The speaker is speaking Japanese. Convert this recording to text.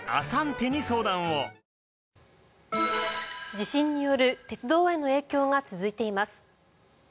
地震による鉄道への影響が続いています。